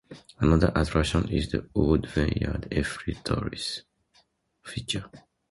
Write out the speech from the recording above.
Another attraction is the old Vineyard, a free tourist feature.